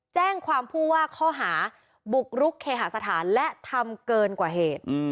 แจ้งความผู้ว่าข้อหาบุกรุกเคหาสถานและทำเกินกว่าเหตุ